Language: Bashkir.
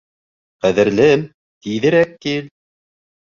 Ҡәҙерлем, тиҙерәк кил.